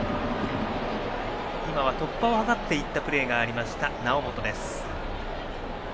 今は突破を図っていったプレーがあった猶本です。